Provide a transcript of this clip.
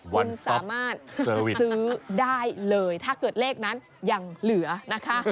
คุณสามารถซื้อได้เลยถ้าเกิดเลขนั้นยังเหลือนะคะ